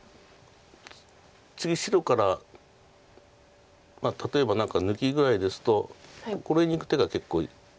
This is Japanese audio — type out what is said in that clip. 次白から例えば抜きぐらいですとこの辺にいく手が結構。